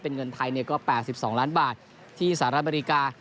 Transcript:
เป็นเงินไทยเนี่ยก็แปดสิบสองล้านบาทที่สหรัฐอเมริกา